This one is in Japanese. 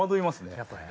やっぱりね。